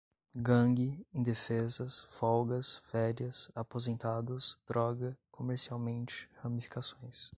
gangue, indefesas, folgas, férias, aposentados, droga, comercialmente, ramificações